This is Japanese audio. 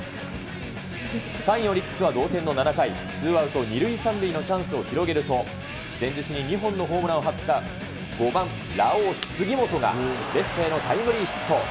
３位オリックスは同点の７回、ツーアウト２塁３塁のチャンスを広げると、前日に２本のホームランを放った５番ラオウ杉本がレフトへのタイムリーヒット。